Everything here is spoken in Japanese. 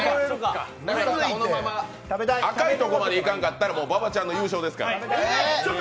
赤いところまでいかんかったら、馬場ちゃんの優勝ですから。